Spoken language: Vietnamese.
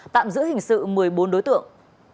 tạm giữ hình sự một mươi bốn đối tượng